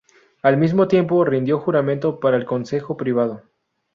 Al mismo tiempo rindió juramento para el Consejo Privado.